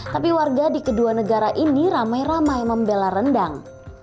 tapi warga di kedua negara ini ramai ramai membela rendang